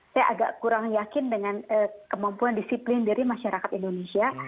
saya agak kurang yakin dengan kemampuan disiplin diri masyarakat indonesia